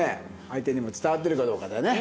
相手にも伝わってるかどうかだよね。